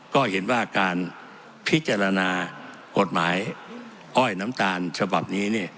ก็เห็นว่าการพิจารณากฎหมายอ้อยน้ำตาลฉบับนี้